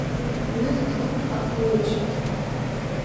Уи рҭахуп ақәылаҩцәагьы.